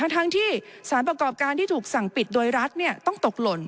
ทั้งที่สารประกอบการที่ถูกสั่งปิดโดยรัฐต้องตกหล่น